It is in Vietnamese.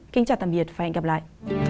kính chào tạm biệt và hẹn gặp lại